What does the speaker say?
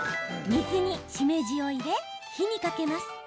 水にしめじを入れ火にかけます。